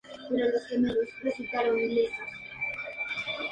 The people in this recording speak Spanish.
El aria se introduce mediante una fluida melodía solista del oboe "d'amore".